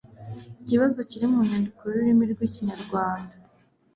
Ikibazo kiri mu-inyandiko y'ururimi rw'Ikinya-Rwanda.